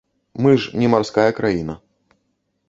Мы ж не марская краіна.